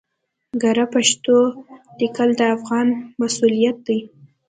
کره پښتو ليکل د افغان مسؤليت دی